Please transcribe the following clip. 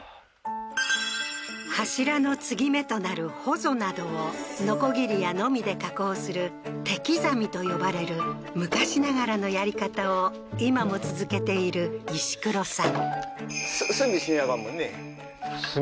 柱の接ぎ目となるホゾなどをノコギリやノミで加工する手刻みと呼ばれる昔ながらのやり方を今も続けている石黒さん墨しなあかんもんね墨？